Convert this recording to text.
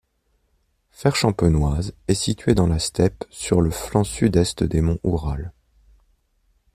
Ferchampenouaz est situé dans la steppe, sur le flanc sud-est des monts Oural.